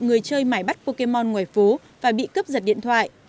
người chơi mãi bắt okemon ngoài phố và bị cướp giật điện thoại